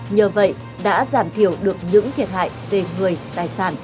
nhờ vậy đã giảm thiểu được những thiệt